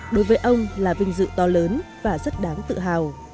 đối với ông là vinh dự to lớn và rất đáng tự hào